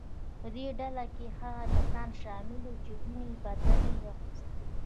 په دې ډله کې هغه کسان شامل وو چې د وینې بدله یې اخیسته.